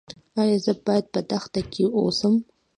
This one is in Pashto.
ایا زه باید په دښته کې اوسم؟